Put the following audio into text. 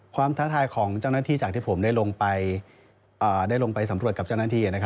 ท้าทายของเจ้าหน้าที่จากที่ผมได้ลงไปได้ลงไปสำรวจกับเจ้าหน้าที่